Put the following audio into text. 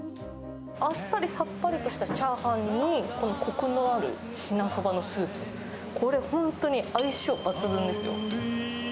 あっさりさっぱりとしたチャーハンに、このこくのあるしなそばのスープ、これ本当に相性抜群ですよ。